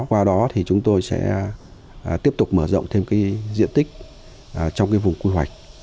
qua đó thì chúng tôi sẽ tiếp tục mở rộng thêm cái diện tích trong vùng quy hoạch